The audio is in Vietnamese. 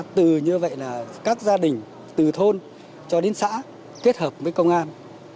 từ như vậy là các gia đình từ thôn cho đến xã kết hợp với công an